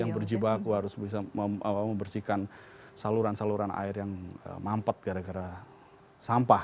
yang berjibaku harus bisa membersihkan saluran saluran air yang mampet gara gara sampah